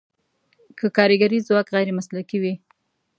که کارګري ځواک غیر مسلکي وي.